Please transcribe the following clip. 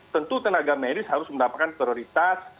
tentu tenaga medis harus mendapatkan prioritas